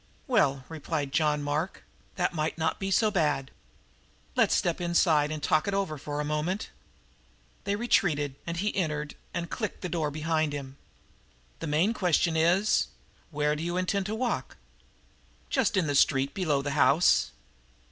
"Well," replied John Mark, "that might not be so bad. Let's step inside and talk it over for a moment." They retreated, and he entered and clicked the door behind him. "The main question is, where do you intend to walk?" "Just in the street below the house."